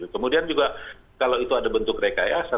kemudian juga kalau itu ada bentuk rekayasa